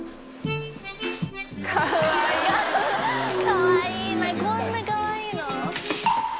かわいいなこんなかわいいの？